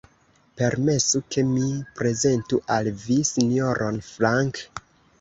Permesu, ke mi prezentu al vi Sinjoron Frank.